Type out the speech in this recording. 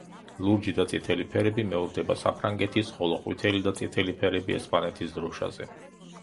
ლურჯი და წითელი ფერები მეორდება საფრანგეთის, ხოლო ყვითელი და წითელი ფერები ესპანეთის დროშაზე.